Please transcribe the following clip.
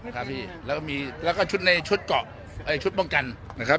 ครับพี่แล้วก็มีแล้วก็ชุดในชุดเกาะชุดป้องกันนะครับ